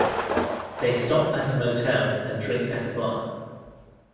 They stop at a motel and drink at a bar.